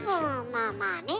あまあまあね。